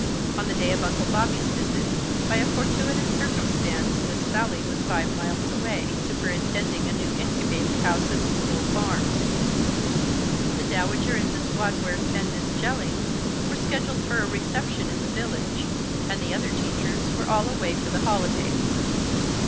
On the day of Uncle Bobby's visit, by a fortuitous circumstance, Miss Sallie was five miles away, superintending a new incubator house at the school farm. The Dowager and Miss Wadsworth and Miss Jellings were scheduled for a reception in the village, and the other teachers were all away for the holidays.